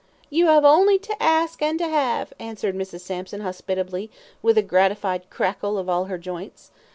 "You 'ave only to ask and to 'ave," answered Mrs. Sampson, hospitably, with a gratified crackle of all her joints.